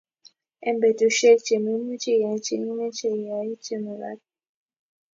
eng' betusiwk che memuchi iyai che imeche yai che mekat